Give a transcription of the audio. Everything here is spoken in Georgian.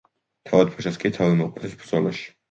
თავად ფაშას კი თავი მოკვეთეს ბრძოლაში.